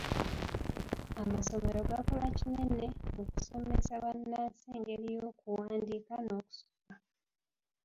Amasomero gakola kinene mu kusomesa bannansi engeri y'okuwandiika n'okusoma.